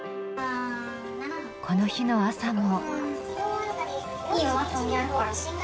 この日の朝も。